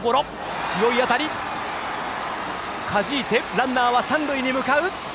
ランナーは三塁へ向かう。